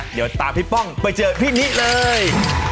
เดี๋ยวตามพี่ป้องไปเจอพี่นิเลย